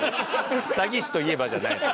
「詐欺師といえば」じゃないです。